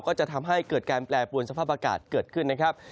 ก็จะทำให้เกิดการแปรปวนสภาพอากาศเกิดขึ้นนะครับ